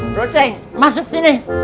bro sain masuk sini